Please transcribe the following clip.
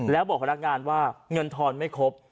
แล้วบอกพนักงานว่าเงินทอนไม่ครบ